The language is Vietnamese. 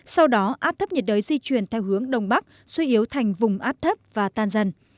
sau đó áp thấp nhiệt đới di chuyển theo hướng đông bắc suy yếu thành vùng áp thấp và tan dần